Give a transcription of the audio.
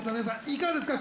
いかがですか？